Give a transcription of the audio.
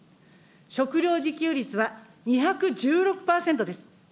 食料自給率は２１６％です。